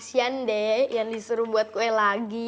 sian deh yang disuruh buat kue lagi